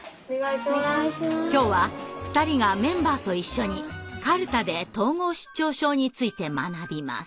今日は２人がメンバーと一緒にかるたで統合失調症について学びます。